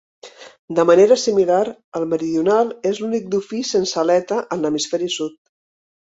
De manera similar, el meridional és l'únic dofí sense aleta en l'hemisferi sud.